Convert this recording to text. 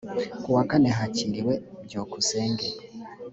ku wa kane hakiriwe byukusenge